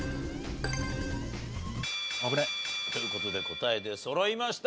危ねえ。という事で答え出そろいました。